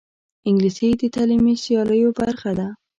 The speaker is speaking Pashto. انګلیسي د تعلیمي سیالیو برخه ده